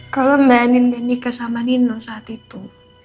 kalau mbak anin bernikah sama nino saat itu